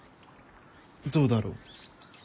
どうだろう？